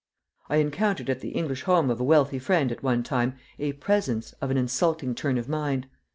I encountered at the English home of a wealthy friend at one time a "presence" of an insulting turn of mind.